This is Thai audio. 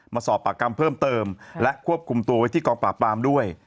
มาสอบปากคำเพิ่มเติมและควบคุมตัวไว้ที่กองปราบปรามด้วย